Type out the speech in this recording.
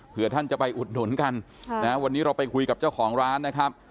เพื่อท่านจะไปอุดหนุนกันวันนี้เราไปคุยกับเจ้าของร้านนะครับ